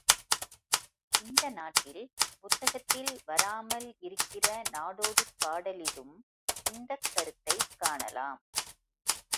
இந்த நாட்டில் புத்தகத்தில் வராமல் இருக்கிற நாடோடிப் பாடலிலும் இந்தக் கருத்தைக் காணலாம்.